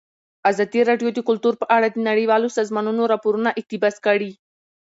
ازادي راډیو د کلتور په اړه د نړیوالو سازمانونو راپورونه اقتباس کړي.